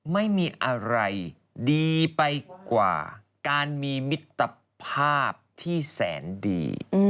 ไม่มีอะไรดีไปกว่าการมีมิตรภาพที่แสนดี